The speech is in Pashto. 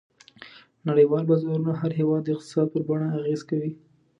نړیوال بازارونه د هر هېواد د اقتصاد پر بڼه اغېزه کوي.